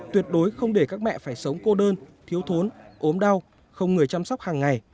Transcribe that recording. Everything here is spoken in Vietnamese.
tuyệt đối không để các mẹ phải sống cô đơn thiếu thốn ốm đau không người chăm sóc hàng ngày